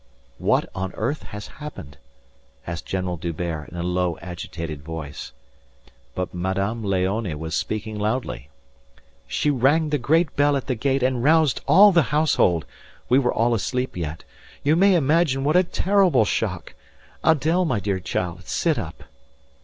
"What on earth has happened?" asked General D'Hubert in a low, agitated voice. But Madame Léonie was speaking loudly. "She rang the great bell at the gate and roused all the household we were all asleep yet. You may imagine what a terrible shock.... Adèle, my dear child, sit up."